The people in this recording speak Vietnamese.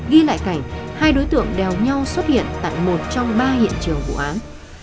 ghi lại cảnh hai đối tượng đèo nhau xuất hiện tại một trong ba hiện trường vụ án